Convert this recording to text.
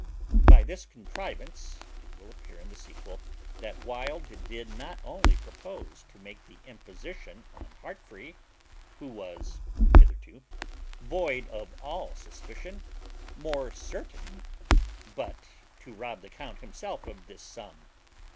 By this contrivance, it will appear in the sequel that Wild did not only propose to make the imposition on Heartfree, who was (hitherto) void of all suspicion, more certain; but to rob the count himself of this sum.